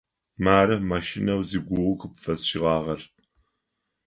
Мары машинэу зигугъу къыпфэсшӏыгъагъэр.